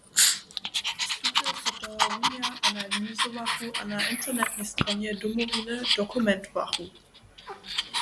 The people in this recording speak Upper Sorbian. Tute so tohorunja analyzowachu a na internetnej stronje Domowiny dokumentowachu.